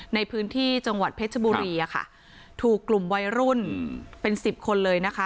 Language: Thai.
ในพื้นที่จังหวัดเพชรบุรีอะค่ะถูกกลุ่มวัยรุ่นเป็นสิบคนเลยนะคะ